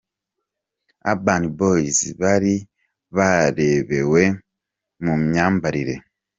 Urban Boyz bari baberewe mu myambarire.